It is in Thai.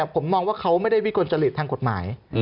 ผมมองว่าเขาไม่ได้วิกลจริตทางกฎหมาย